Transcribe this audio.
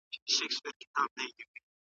له خټو جوړه لویه خونه ده زمان ژوولې